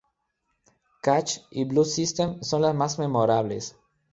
Catch y Blue System son las más memorables.